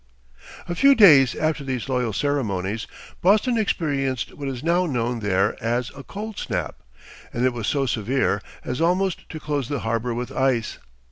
A few days after these loyal ceremonies, Boston experienced what is now known there as a "cold snap," and it was so severe as almost to close the harbor with ice.